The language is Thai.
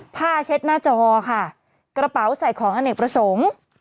เช็ดหน้าจอค่ะกระเป๋าใส่ของอเนกประสงค์